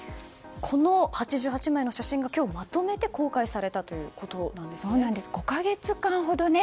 この８８枚の写真が今日まとめて公開されたということなんですね。